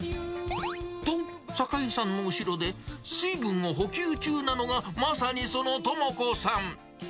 と、栄さんの後ろで水分を補給中なのが、まさにその智子さん。